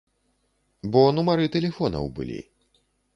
Бо нумары тэлефонаў былі.